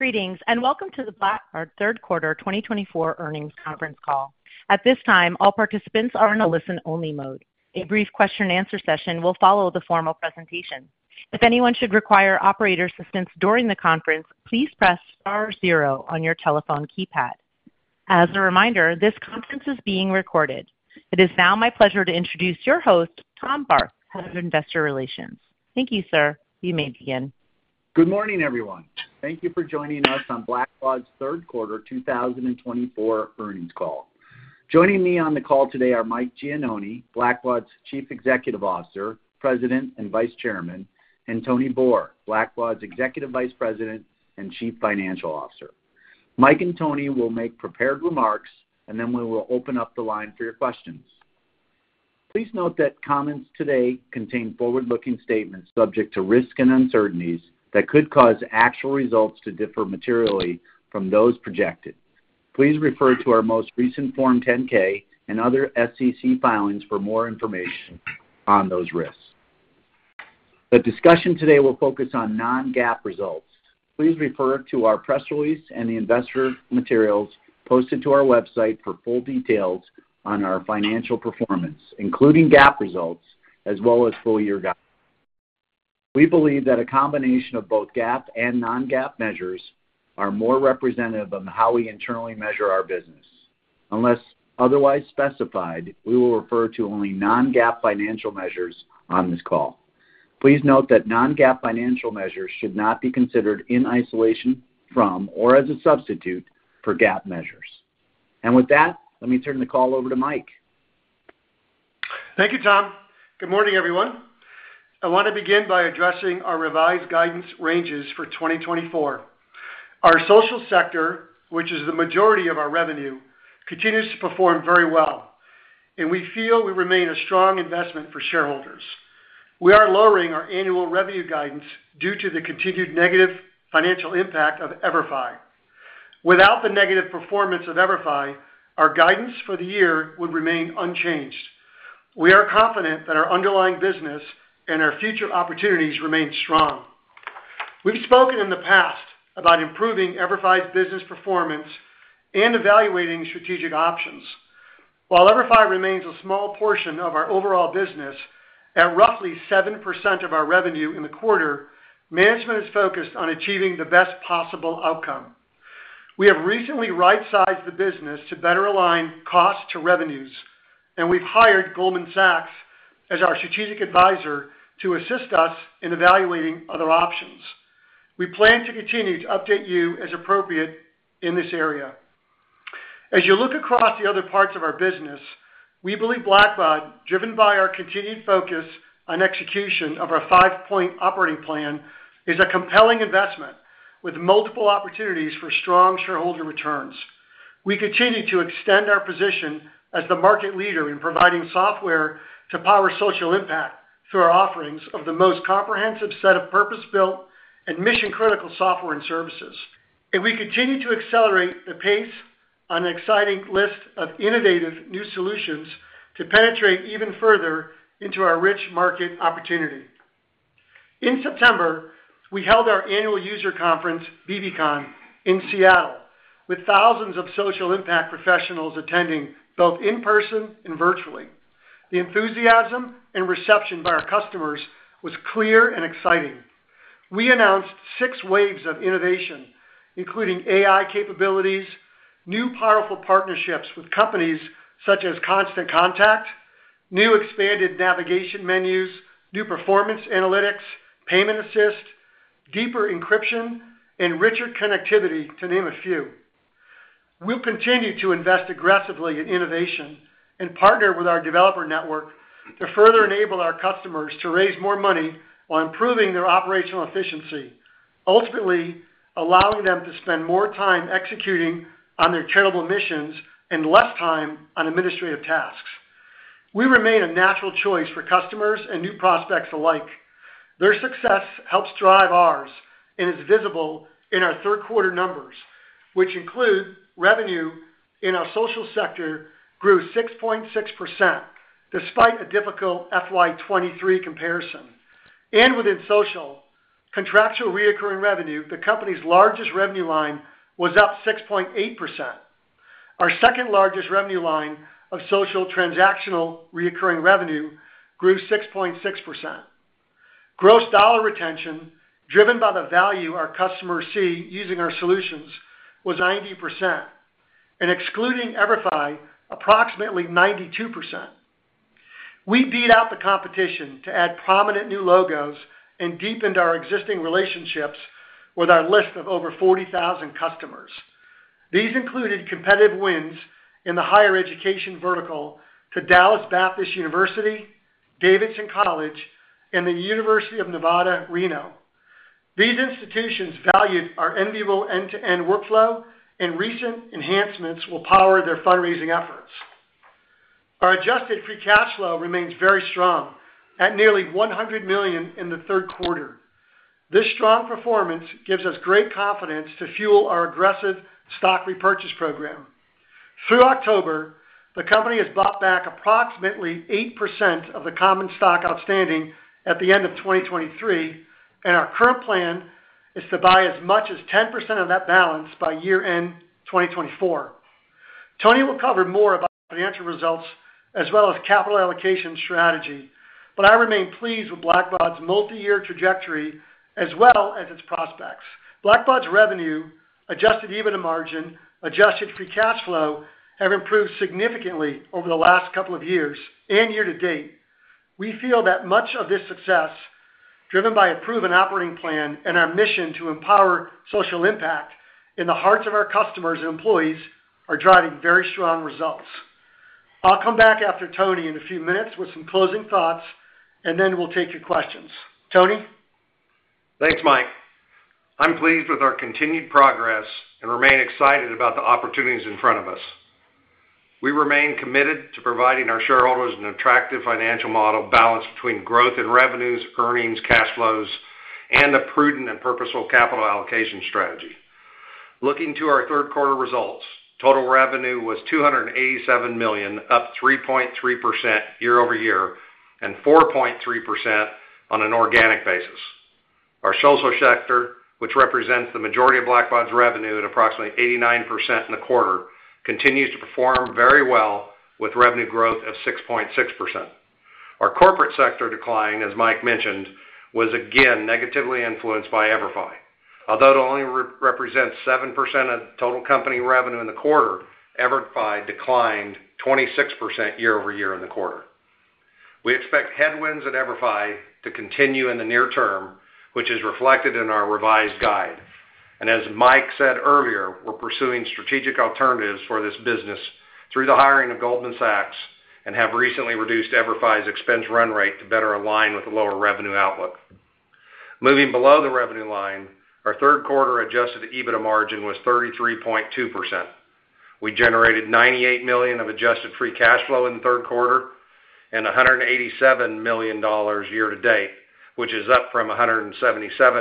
Greetings, and welcome to the Blackbaud Q3 2024 earnings conference call. At this time, all participants are in a listen-only mode. A brief question-and-answer session will follow the formal presentation. If anyone should require operator assistance during the conference, please press star zero on your telephone keypad. As a reminder, this conference is being recorded. It is now my pleasure to introduce your host, Tom Barth, head of investor relations. Thank you, sir. You may begin. Good morning, everyone. Thank you for joining us on Blackbaud's Q3 2024 earnings call. Joining me on the call today are Mike Gianoni, Blackbaud's Chief Executive Officer, President and Vice Chairman, and Tony Boor, Blackbaud's Executive Vice President and Chief Financial Officer. Mike and Tony will make prepared remarks, and then we will open up the line for your questions. Please note that comments today contain forward-looking statements subject to risks and uncertainties that could cause actual results to differ materially from those projected. Please refer to our most recent Form 10-K and other SEC filings for more information on those risks. The discussion today will focus on non-GAAP results. Please refer to our press release and the investor materials posted to our website for full details on our financial performance, including GAAP results as well as full-year GAAP. We believe that a combination of both GAAP and non-GAAP measures are more representative of how we internally measure our business. Unless otherwise specified, we will refer to only non-GAAP financial measures on this call. Please note that non-GAAP financial measures should not be considered in isolation from or as a substitute for GAAP measures. And with that, let me turn the call over to Mike. Thank you, Tom. Good morning, everyone. I want to begin by addressing our revised guidance ranges for 2024. Our social sector, which is the majority of our revenue, continues to perform very well, and we feel we remain a strong investment for shareholders. We are lowering our annual revenue guidance due to the continued negative financial impact of EverFi. Without the negative performance of EverFi, our guidance for the year would remain unchanged. We are confident that our underlying business and our future opportunities remain strong. We've spoken in the past about improving EverFi's business performance and evaluating strategic options. While EverFi remains a small portion of our overall business, at roughly 7% of our revenue in the quarter, management is focused on achieving the best possible outcome. We have recently right-sized the business to better align cost to revenues, and we've hired Goldman Sachs as our strategic advisor to assist us in evaluating other options. We plan to continue to update you as appropriate in this area. As you look across the other parts of our business, we believe Blackbaud, driven by our continued focus on execution of our five-point operating plan, is a compelling investment with multiple opportunities for strong shareholder returns. We continue to extend our position as the market leader in providing software to power social impact through our offerings of the most comprehensive set of purpose-built and mission-critical software and services, and we continue to accelerate the pace on an exciting list of innovative new solutions to penetrate even further into our rich market opportunity. In September, we held our annual user conference, bbcon, in Seattle, with thousands of social impact professionals attending both in person and virtually. The enthusiasm and reception by our customers was clear and exciting. We announced six waves of innovation, including AI capabilities, new powerful partnerships with companies such as Constant Contact, new expanded navigation menus, new performance analytics, Payment Assist, deeper encryption, and richer connectivity, to name a few. We'll continue to invest aggressively in innovation and partner with our developer network to further enable our customers to raise more money while improving their operational efficiency, ultimately allowing them to spend more time executing on their charitable missions and less time on administrative tasks. We remain a natural choice for customers and new prospects alike. Their success helps drive ours and is visible in our Q3 numbers, which include revenue in our social sector grew 6.6% despite a difficult FY23 comparison, and within social, contractual recurring revenue, the company's largest revenue line was up 6.8%. Our second-largest revenue line of social transactional recurring revenue grew 6.6%. Gross dollar retention, driven by the value our customers see using our solutions, was 90%, and excluding EverFi, approximately 92%. We beat out the competition to add prominent new logos and deepened our existing relationships with our list of over 40,000 customers. These included competitive wins in the higher education vertical to Dallas Baptist University, Davidson College, and the University of Nevada, Reno. These institutions valued our enviable end-to-end workflow, and recent enhancements will power their fundraising efforts. Our adjusted free cash flow remains very strong at nearly $100 million in Q3. This strong performance gives us great confidence to fuel our aggressive stock repurchase program. Through October, the company has bought back approximately 8% of the common stock outstanding at the end of 2023, and our current plan is to buy as much as 10% of that balance by year-end 2024. Tony will cover more about financial results as well as capital allocation strategy, but I remain pleased with Blackbaud's multi-year trajectory as well as its prospects. Blackbaud's revenue, adjusted EBITDA margin, adjusted Free Cash Flow have improved significantly over the last couple of years and year to date. We feel that much of this success, driven by a proven operating plan and our mission to empower social impact in the hearts of our customers and employees, are driving very strong results. I'll come back after Tony in a few minutes with some closing thoughts, and then we'll take your questions. Tony? Thanks, Mike. I'm pleased with our continued progress and remain excited about the opportunities in front of us. We remain committed to providing our shareholders an attractive financial model balanced between growth in revenues, earnings, cash flows, and a prudent and purposeful capital allocation strategy. Looking to our Q3 results, total revenue was $287 million, up 3.3% year over year and 4.3% on an organic basis. Our social sector, which represents the majority of Blackbaud's revenue at approximately 89% in the quarter, continues to perform very well with revenue growth of 6.6%. Our corporate sector decline, as Mike mentioned, was again negatively influenced by EverFi. Although it only represents 7% of total company revenue in the quarter, EverFi declined 26% year over year in the quarter. We expect headwinds at EverFi to continue in the near term, which is reflected in our revised guide. As Mike said earlier, we're pursuing strategic alternatives for this business through the hiring of Goldman Sachs and have recently reduced EverFi's expense run rate to better align with a lower revenue outlook. Moving below the revenue line, our Q3 Adjusted EBITDA margin was 33.2%. We generated $98 million of adjusted free cash flow in Q3 and $187 million year to date, which is up from $177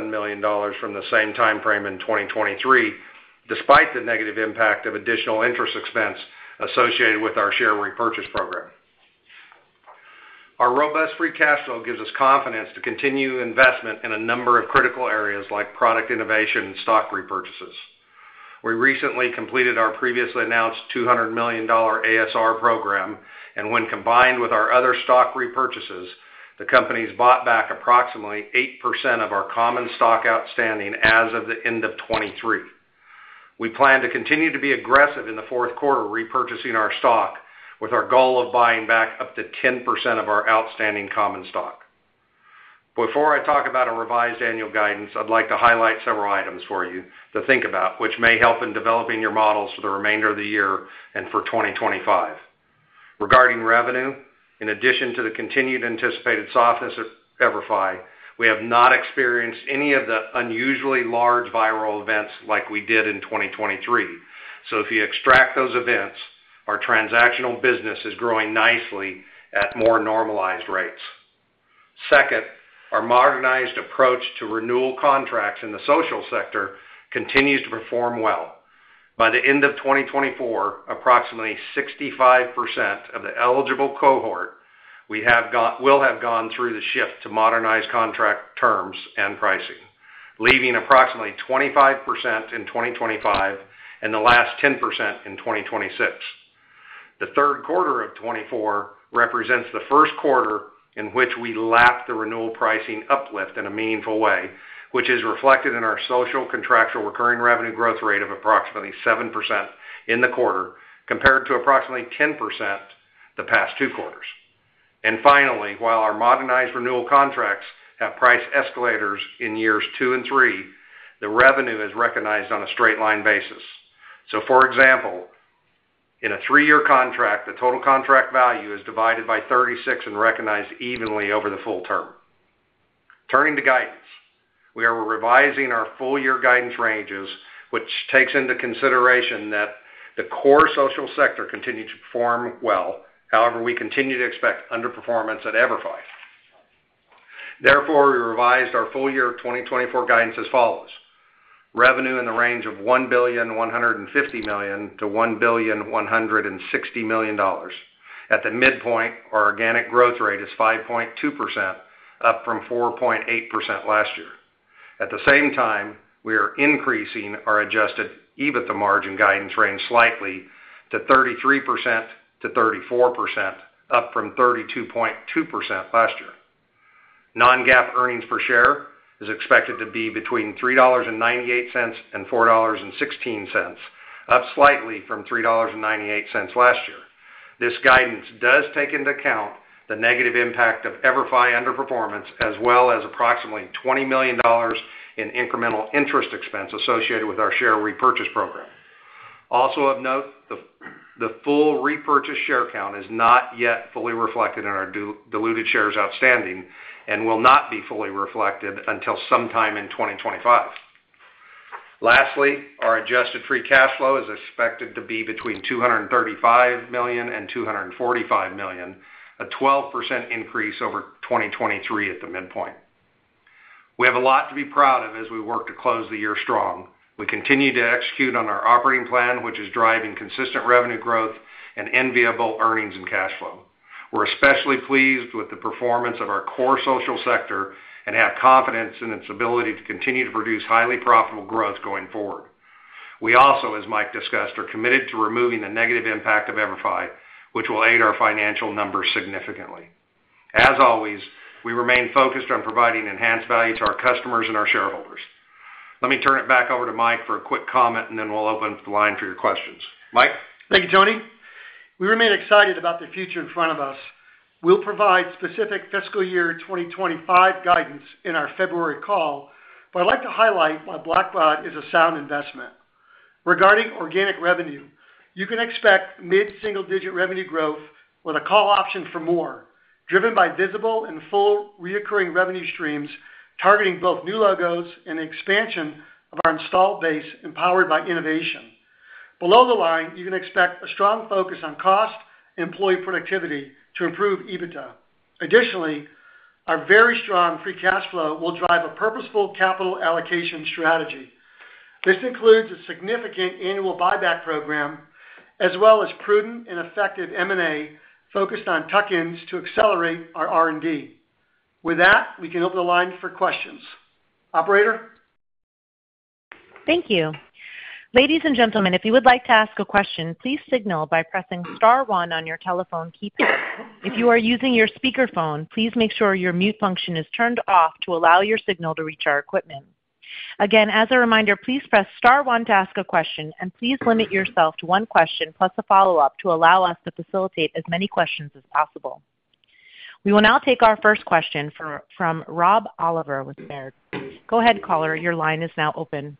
million from the same timeframe in 2023, despite the negative impact of additional interest expense associated with our share repurchase program. Our robust free cash flow gives us confidence to continue investment in a number of critical areas like product innovation and stock repurchases. We recently completed our previously announced $200 million ASR program, and when combined with our other stock repurchases, the company's bought back approximately 8% of our common stock outstanding as of the end of 2023. We plan to continue to be aggressive in Q4 repurchasing our stock, with our goal of buying back up to 10% of our outstanding common stock. Before I talk about our revised annual guidance, I'd like to highlight several items for you to think about, which may help in developing your models for the remainder of the year and for 2025. Regarding revenue, in addition to the continued anticipated softness at EverFi, we have not experienced any of the unusually large viral events like we did in 2023. So if you extract those events, our transactional business is growing nicely at more normalized rates. Second, our modernized approach to renewal contracts in the social sector continues to perform well. By the end of 2024, approximately 65% of the eligible cohort will have gone through the shift to modernized contract terms and pricing, leaving approximately 25% in 2025 and the last 10% in 2026. The Q3 of 2024 represents the first quarter in which we lapped the renewal pricing uplift in a meaningful way, which is reflected in our social contractual recurring revenue growth rate of approximately 7% in the quarter compared to approximately 10% the past two quarters, and finally, while our modernized renewal contracts have price escalators in years two and three, the revenue is recognized on a straight-line basis, so for example, in a three-year contract, the total contract value is divided by 36 and recognized evenly over the full term. Turning to guidance, we are revising our full-year guidance ranges, which takes into consideration that the core social sector continued to perform well. However, we continue to expect underperformance at EverFi. Therefore, we revised our full-year 2024 guidance as follows: revenue in the range of $1,150-$1,160 million. At the midpoint, our organic growth rate is 5.2%, up from 4.8% last year. At the same time, we are increasing our adjusted EBITDA margin guidance range slightly to 33%-34%, up from 32.2% last year. Non-GAAP earnings per share is expected to be between $3.98-$4.16, up slightly from $3.98 last year. This guidance does take into account the negative impact of EverFi underperformance as well as approximately $20 million in incremental interest expense associated with our share repurchase program. Also of note, the full repurchase share count is not yet fully reflected in our diluted shares outstanding and will not be fully reflected until sometime in 2025. Lastly, our adjusted free cash flow is expected to be between $235 million and $245 million, a 12% increase over 2023 at the midpoint. We have a lot to be proud of as we work to close the year strong. We continue to execute on our operating plan, which is driving consistent revenue growth and enviable earnings and cash flow. We're especially pleased with the performance of our core social sector and have confidence in its ability to continue to produce highly profitable growth going forward. We also, as Mike discussed, are committed to removing the negative impact of EverFi, which will aid our financial numbers significantly. As always, we remain focused on providing enhanced value to our customers and our shareholders. Let me turn it back over to Mike for a quick comment, and then we'll open up the line for your questions. Mike? Thank you, Tony. We remain excited about the future in front of us. We'll provide specific fiscal year 2025 guidance in our February call, but I'd like to highlight why Blackbaud is a sound investment. Regarding organic revenue, you can expect mid-single-digit revenue growth with a call option for more, driven by visible and fully recurring revenue streams targeting both new logos and the expansion of our installed base empowered by innovation. Below the line, you can expect a strong focus on cost and employee productivity to improve EBITDA. Additionally, our very strong free cash flow will drive a purposeful capital allocation strategy. This includes a significant annual buyback program as well as prudent and effective M&A focused on tuck-ins to accelerate our R&D. With that, we can open the line for questions. Operator? Thank you. Ladies and gentlemen, if you would like to ask a question, please signal by pressing star 1 on your telephone keypad. If you are using your speakerphone, please make sure your mute function is turned off to allow your signal to reach our equipment. Again, as a reminder, please press star 1 to ask a question, and please limit yourself to one question plus a follow-up to allow us to facilitate as many questions as possible. We will now take our first question from Rob Oliver with Baird. Go ahead, caller. Your line is now open.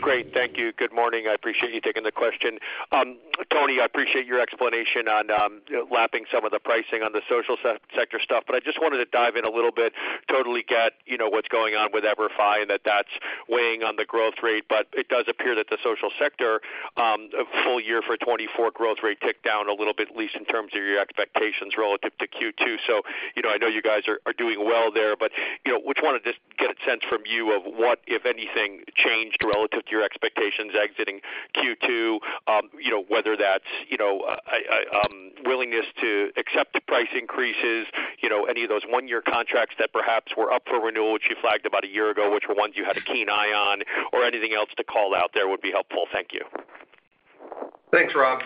Great. Thank you. Good morning. I appreciate you taking the question. Tony, I appreciate your explanation on lapping some of the pricing on the social sector stuff, but I just wanted to dive in a little bit, totally get what's going on with EverFi and that that's weighing on the growth rate. But it does appear that the social sector full year for 2024 growth rate ticked down a little bit, at least in terms of your expectations relative to Q2. So I know you guys are doing well there, but I just wanted to get a sense from you of what, if anything, changed relative to your expectations exiting Q2, whether that's willingness to accept price increases, any of those one-year contracts that perhaps were up for renewal, which you flagged about a year ago, which were ones you had a keen eye on, or anything else to call out there would be helpful? Thank you. Thanks, Rob.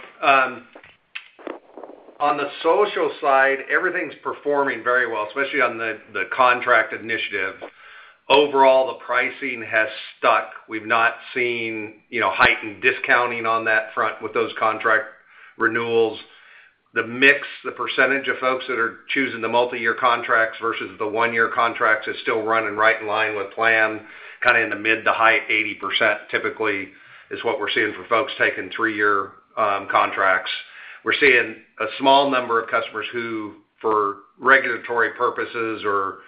On the social side, everything's performing very well, especially on the contract initiative. Overall, the pricing has stuck. We've not seen heightened discounting on that front with those contract renewals. The mix, the percentage of folks that are choosing the multi-year contracts versus the one-year contracts is still running right in line with plan, kind of in the mid- to high 80% typically is what we're seeing for folks taking three-year contracts. We're seeing a small number of customers who, for regulatory purposes or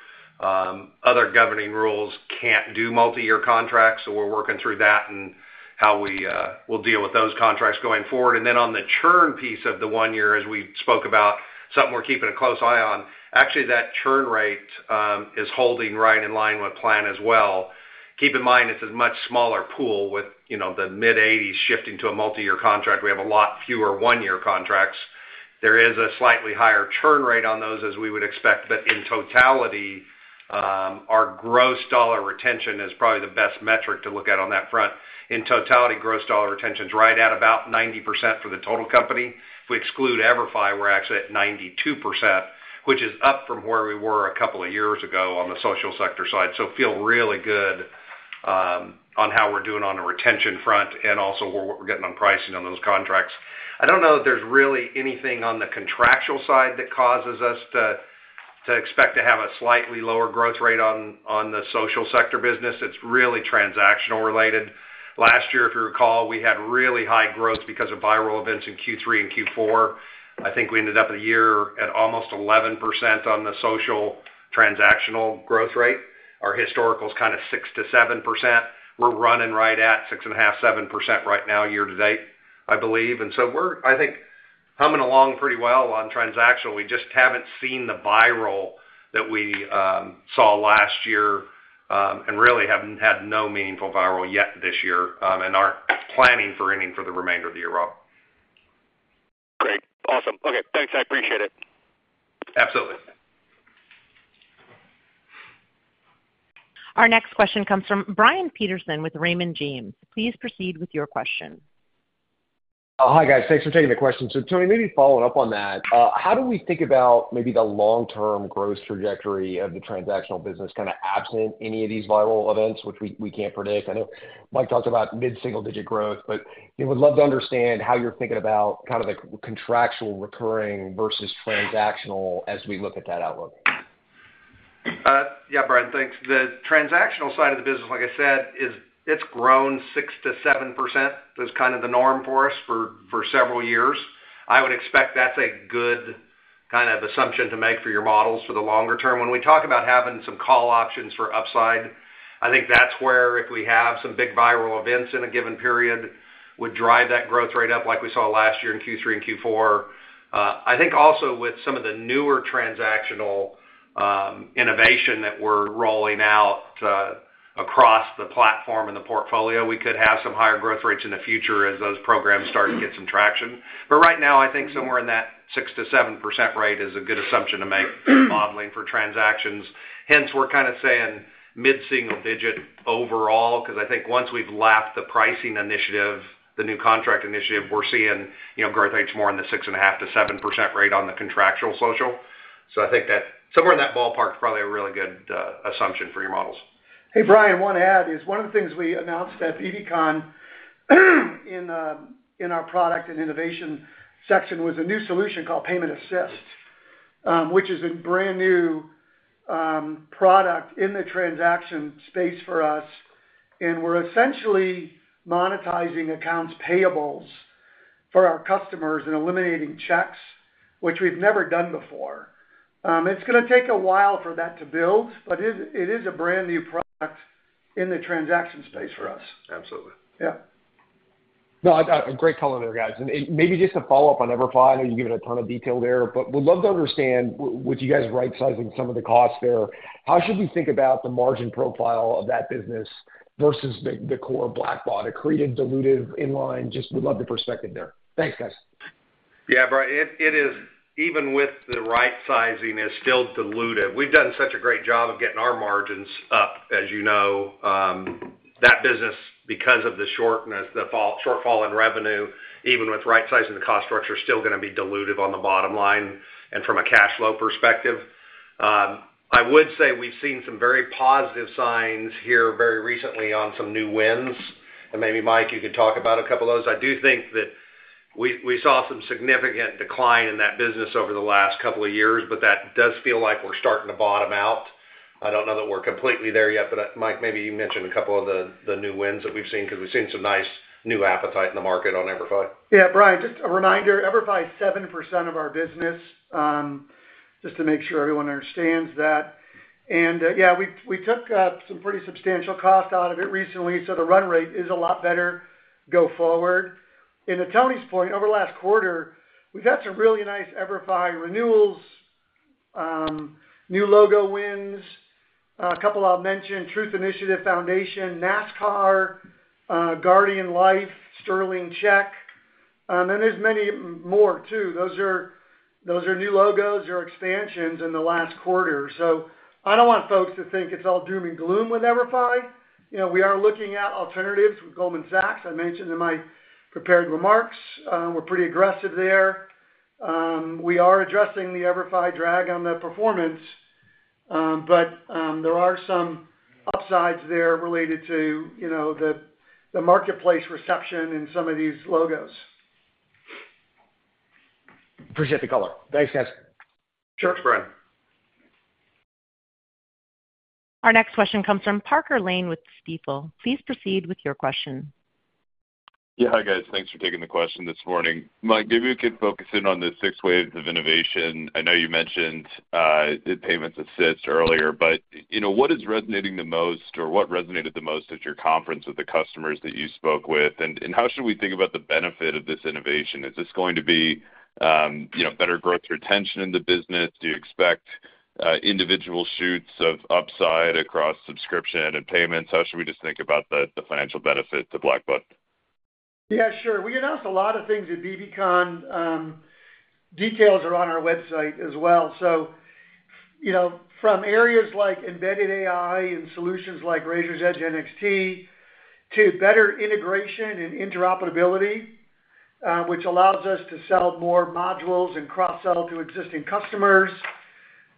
other governing rules, can't do multi-year contracts. So we're working through that and how we will deal with those contracts going forward. And then on the churn piece of the one-year, as we spoke about, something we're keeping a close eye on, actually that churn rate is holding right in line with plan as well. Keep in mind, it's a much smaller pool with the mid-80s shifting to a multi-year contract. We have a lot fewer one-year contracts. There is a slightly higher churn rate on those as we would expect, but in totality, our gross dollar retention is probably the best metric to look at on that front. In totality, gross dollar retention's right at about 90% for the total company. If we exclude EverFi, we're actually at 92%, which is up from where we were a couple of years ago on the social sector side. So feel really good on how we're doing on the retention front and also what we're getting on pricing on those contracts. I don't know that there's really anything on the contractual side that causes us to expect to have a slightly lower growth rate on the social sector business. It's really transactional related. Last year, if you recall, we had really high growth because of viral events in Q3 and Q4. I think we ended up with a year at almost 11% on the social transactional growth rate. Our historical's kind of 6%-7%. We're running right at 6.5%-7% right now year to date, I believe. And so we're, I think, humming along pretty well on transactional. We just haven't seen the viral that we saw last year and really haven't had no meaningful viral yet this year and aren't planning for any for the remainder of the year, Rob. Great. Awesome. Okay. Thanks. I appreciate it. Absolutely. Our next question comes from Brian Peterson with Raymond James. Please proceed with your question. Hi, guys. Thanks for taking the question. So Tony, maybe following up on that, how do we think about maybe the long-term growth trajectory of the transactional business kind of absent any of these viral events, which we can't predict? I know Mike talked about mid-single-digit growth, but we'd love to understand how you're thinking about kind of the contractual recurring versus transactional as we look at that outlook. Yeah, Brian, thanks. The transactional side of the business, like I said, it's grown 6%-7%. That's kind of the norm for us for several years. I would expect that's a good kind of assumption to make for your models for the longer term. When we talk about having some call options for upside, I think that's where if we have some big viral events in a given period, would drive that growth rate up like we saw last year in Q3 and Q4. I think also with some of the newer transactional innovation that we're rolling out across the platform and the portfolio, we could have some higher growth rates in the future as those programs start to get some traction. But right now, I think somewhere in that 6%-7% rate is a good assumption to make modeling for transactions. Hence, we're kind of saying mid-single-digit overall because I think once we've lapped the pricing initiative, the new contract initiative, we're seeing growth rates more in the 6.5%-7% rate on the contractual social. So I think that somewhere in that ballpark is probably a really good assumption for your models. Hey, Brian, one add is one of the things we announced at BBCON in our product and innovation section was a new solution called Payment Assist, which is a brand new product in the transaction space for us, and we're essentially monetizing accounts payables for our customers and eliminating checks, which we've never done before. It's going to take a while for that to build, but it is a brand new product in the transaction space for us. Absolutely. Yeah. No, great color there, guys. And maybe just a follow-up on EverFi. I know you gave it a ton of detail there, but we'd love to understand with you guys right-sizing some of the costs there, how should we think about the margin profile of that business versus the core Blackbaud? It created dilutive in line. Just would love the perspective there. Thanks, guys. Yeah, Brian. It is, even with the right-sizing, it's still dilutive. We've done such a great job of getting our margins up, as you know. That business, because of the shortfall in revenue, even with right-sizing the cost structure, is still going to be dilutive on the bottom line and from a cash flow perspective. I would say we've seen some very positive signs here very recently on some new wins, and maybe Mike, you could talk about a couple of those. I do think that we saw some significant decline in that business over the last couple of years, but that does feel like we're starting to bottom out. I don't know that we're completely there yet, but Mike, maybe you mentioned a couple of the new wins that we've seen because we've seen some nice new appetite in the market on EverFi. Yeah, Brian, just a reminder, EverFi is 7% of our business, just to make sure everyone understands that. And yeah, we took some pretty substantial cost out of it recently, so the run rate is a lot better go forward. And to Tony's point, over the last quarter, we've had some really nice EverFi renewals, new logo wins, a couple I'll mention, Truth Initiative Foundation, NASCAR, Guardian Life, Sterling Check, and there's many more too. Those are new logos or expansions in the last quarter. So I don't want folks to think it's all doom and gloom with EverFi. We are looking at alternatives with Goldman Sachs. I mentioned in my prepared remarks, we're pretty aggressive there. We are addressing the EverFi drag on the performance, but there are some upsides there related to the marketplace reception and some of these logos. Appreciate the color. Thanks, guys. Cheers, Brian. Our next question comes from Parker Lane with Stifel. Please proceed with your question. Yeah, hi guys. Thanks for taking the question this morning. Mike, maybe we could focus in on the six waves of innovation. I know you mentioned Payment Assist earlier, but what is resonating the most or what resonated the most at your conference with the customers that you spoke with? And how should we think about the benefit of this innovation? Is this going to be better growth retention in the business? Do you expect individual shots of upside across subscription and payments? How should we just think about the financial benefit to Blackbaud? Yeah, sure. We announced a lot of things at BBCON. Details are on our website as well. From areas like embedded AI and solutions like Raiser's Edge NXT to better integration and interoperability, which allows us to sell more modules and cross-sell to existing customers,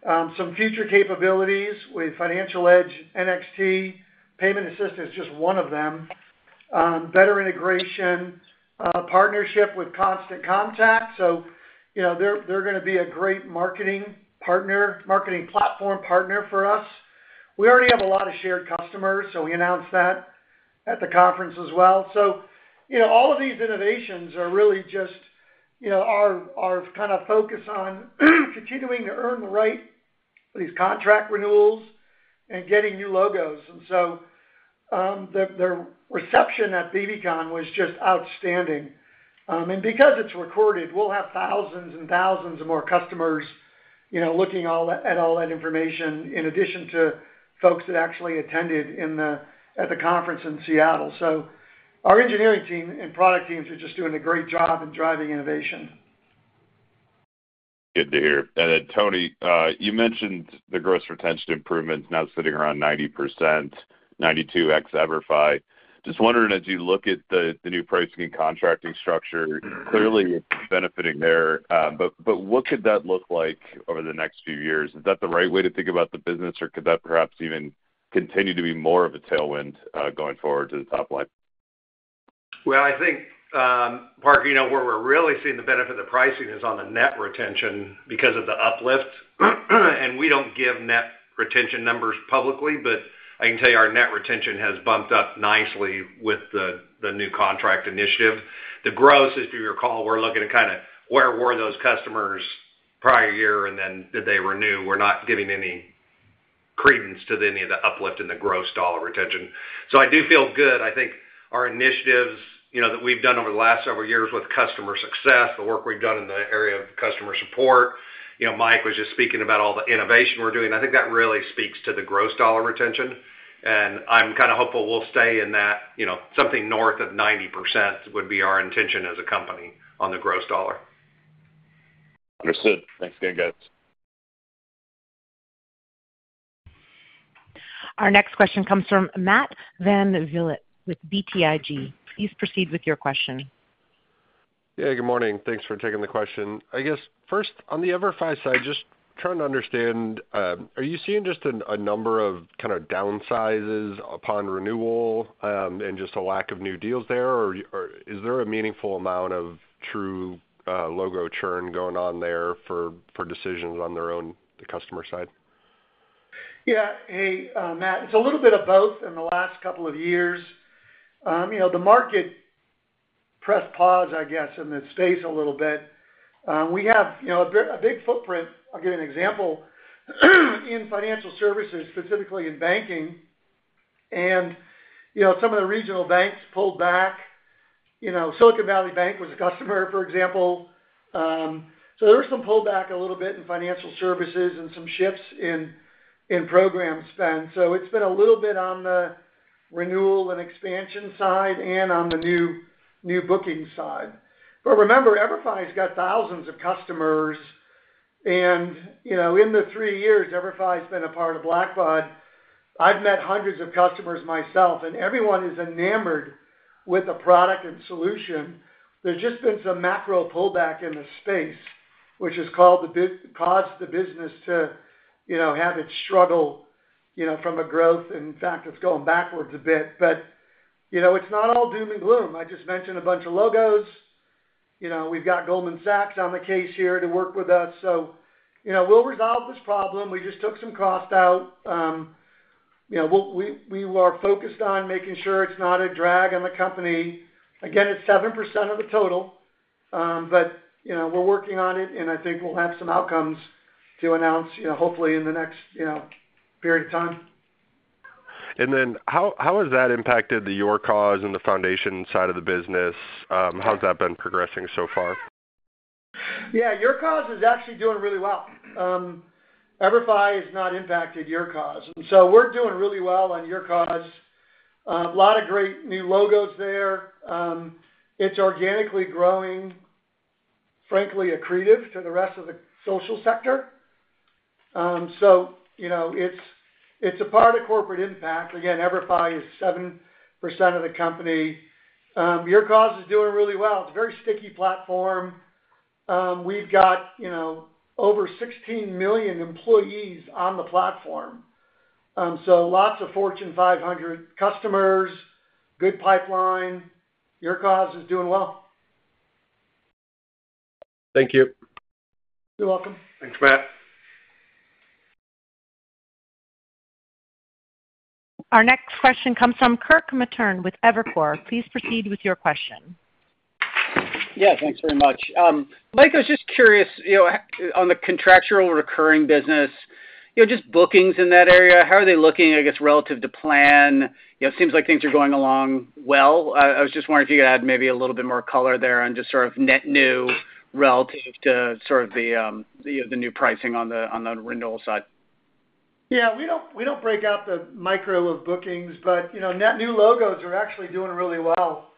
some future capabilities with Financial Edge NXT, Payment Assist is just one of them, better integration, partnership with Constant Contact. They're going to be a great marketing platform partner for us. We already have a lot of shared customers, so we announced that at the conference as well. All of these innovations are really just our kind of focus on continuing to earn the right, these contract renewals and getting new logos. The reception at BBCON was just outstanding. Because it's recorded, we'll have thousands and thousands of more customers looking at all that information in addition to folks that actually attended at the conference in Seattle. Our engineering team and product teams are just doing a great job in driving innovation. Good to hear. And Tony, you mentioned the gross retention improvement's now sitting around 90%, 92% EverFi. Just wondering, as you look at the new pricing and contracting structure, clearly it's benefiting there. But what could that look like over the next few years? Is that the right way to think about the business, or could that perhaps even continue to be more of a tailwind going forward to the top line? I think, Park, where we're really seeing the benefit of pricing is on the net retention because of the uplift. We don't give net retention numbers publicly, but I can tell you our net retention has bumped up nicely with the new contract initiative. The gross, if you recall, we're looking at kind of where were those customers prior year, and then did they renew? We're not giving any credence to any of the uplift in the gross dollar retention. I do feel good. I think our initiatives that we've done over the last several years with customer success, the work we've done in the area of customer support, Mike was just speaking about all the innovation we're doing. I think that really speaks to the gross dollar retention. I'm kind of hopeful we'll stay in that. Something north of 90% would be our intention as a company on the gross dollar. Understood. Thanks again, guys. Our next question comes from Matt Van Vliet with BTIG. Please proceed with your question. Yeah, good morning. Thanks for taking the question. I guess first, on the EverFi side, just trying to understand, are you seeing just a number of kind of downsizes upon renewal and just a lack of new deals there? Or is there a meaningful amount of true logo churn going on there for decisions on their own, the customer side? Yeah. Hey, Matt, it's a little bit of both in the last couple of years. The market pressed pause, I guess, in this space a little bit. We have a big footprint. I'll give you an example. In financial services, specifically in banking, and some of the regional banks pulled back. Silicon Valley Bank was a customer, for example. So there was some pullback a little bit in financial services and some shifts in program spend. So it's been a little bit on the renewal and expansion side and on the new booking side. But remember, EverFi's got thousands of customers. And in the three years, EverFi's been a part of Blackbaud. I've met hundreds of customers myself, and everyone is enamored with the product and solution. There's just been some macro pullback in the space, which has caused the business to have its struggle from a growth. In fact, it's going backwards a bit. But it's not all doom and gloom. I just mentioned a bunch of logos. We've got Goldman Sachs on the case here to work with us. So we'll resolve this problem. We just took some cost out. We are focused on making sure it's not a drag on the company. Again, it's 7% of the total, but we're working on it, and I think we'll have some outcomes to announce, hopefully, in the next period of time. Then how has that impacted the YourCause and the foundation side of the business? How's that been progressing so far? Yeah, YourCause is actually doing really well. EverFi has not impacted YourCause, and so we're doing really well on YourCause. A lot of great new logos there. It's organically growing, frankly, accretive to the rest of the social sector, so it's a part of corporate impact. Again, EverFi is 7% of the company. YourCause is doing really well. It's a very sticky platform. We've got over 16 million employees on the platform, so lots of Fortune 500 customers, good pipeline. YourCause is doing well. Thank you. You're welcome. Thanks, Matt. Our next question comes from Kirk Materne with Evercore. Please proceed with your question. Yeah, thanks very much. Mike, I was just curious on the contractual recurring business, just bookings in that area, how are they looking, I guess, relative to plan? It seems like things are going along well. I was just wondering if you could add maybe a little bit more color there on just sort of net new relative to sort of the new pricing on the renewal side. Yeah, we don't break out the micro of bookings, but net new logos are actually doing really well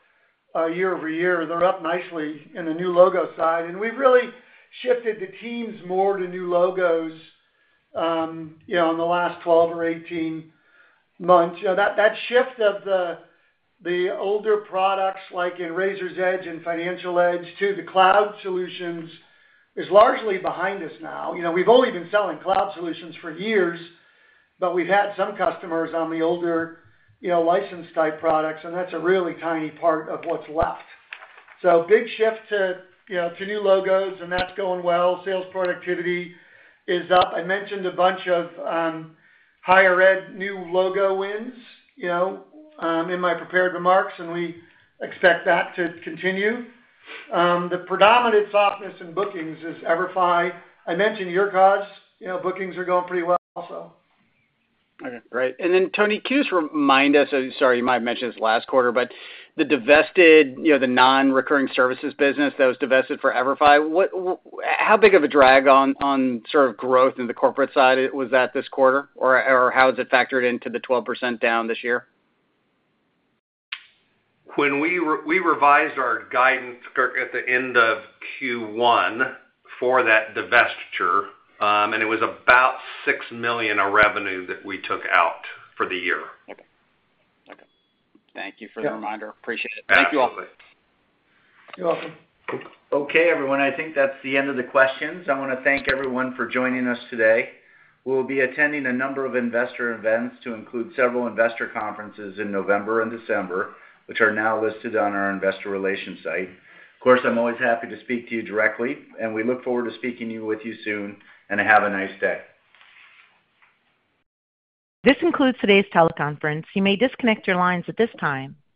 year over year. They're up nicely in the new logo side, and we've really shifted the teams more to new logos in the last 12 or 18 months. That shift of the older products like Raiser's Edge and Financial Edge to the cloud solutions is largely behind us now. We've only been selling cloud solutions for years, but we've had some customers on the older license-type products, and that's a really tiny part of what's left, so big shift to new logos, and that's going well. Sales productivity is up. I mentioned a bunch of higher-ed new logo wins in my prepared remarks, and we expect that to continue. The predominant softness in bookings is EverFi. I mentioned YourCause. Bookings are going pretty well also. Okay, great. And then Tony, can you just remind us? Sorry, you might have mentioned this last quarter, but the divested, the non-recurring services business that was divested for EverFi, how big of a drag on sort of growth in the corporate side was that this quarter? Or how has it factored into the 12% down this year? We revised our guidance, Kirk, at the end of Q1 for that divestiture, and it was about $6 million of revenue that we took out for the year. Okay. Okay. Thank you for the reminder. Appreciate it. Thank you all. Absolutely. You're welcome. Okay, everyone. I think that's the end of the questions. I want to thank everyone for joining us today. We'll be attending a number of investor events to include several investor conferences in November and December, which are now listed on our investor relations site. Of course, I'm always happy to speak to you directly, and we look forward to speaking with you soon, and have a nice day. This concludes today's teleconference. You may disconnect your lines at this time.